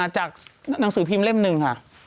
จากหนังสือพิมพ์เล่มหนึ่งค่ะ